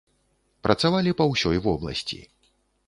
Працавалі па ўсёй вобласці.